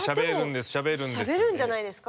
でもしゃべるんじゃないですか？